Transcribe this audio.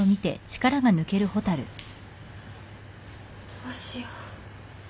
どうしよう。